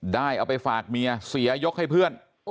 ได้เอาไปฝากเมียเสียยกให้เพื่อน